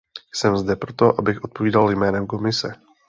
Jsem zde proto, abych odpovídal jménem Komise.